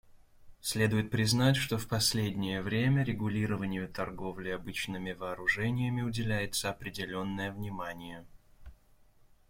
Следует признать, что в последнее время регулированию торговли обычными вооружениями уделяется определенное внимание.